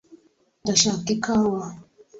Ndashaka ikawa.